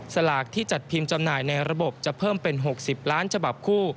สลากที่จัดพิมพ์จำหน่ายในระบบจะเพิ่มเป็น๖๐ล้านฉบับคู่